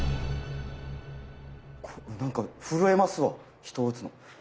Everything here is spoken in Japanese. なんか震えますわ人を打つの。